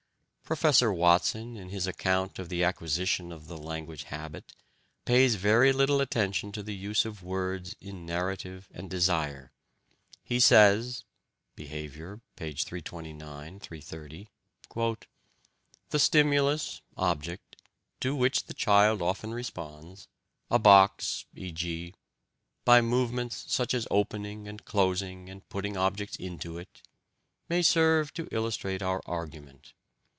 Professor Watson, in his account of the acquisition of the language habit, pays very little attention to the use of words in narrative and desire. He says ("Behavior," pp. 329 330): "The stimulus (object) to which the child often responds, a box, e.g. by movements such as opening and closing and putting objects into it, may serve to illustrate our argument.